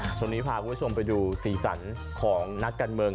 ช่วงนี้พาคุณผู้ชมไปดูสีสันของนักการเมือง